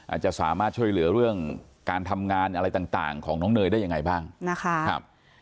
อาจจะสามารถช่วยเหลือเรื่องการทำงานอะไรต่างของน้องเนยได้ยังไงบ้างนะคะ